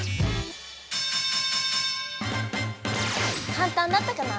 かんたんだったかな？